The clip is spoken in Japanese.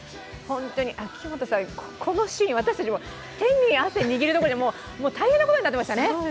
このシーン、私たちも手に汗握るどころじゃない、大変なことになってましたね。